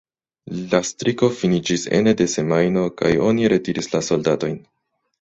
La striko finiĝis ene de semajno kaj oni retiris la soldatojn.